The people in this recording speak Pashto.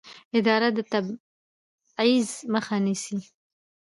اداره د تبعیض مخه نیسي.